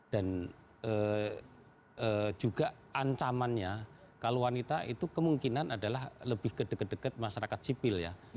dan juga ancamannya kalau wanita itu kemungkinan adalah lebih ke dekat dekat masyarakat sipil ya